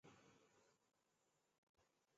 这是海航酒店集团在北京的第二家酒店。